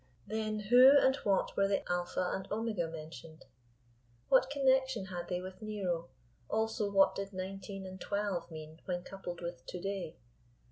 Then who and what were the Alpha and Omega mentioned? What connection had they with Nero; also what did nineteen and twelve mean when coupled with To day?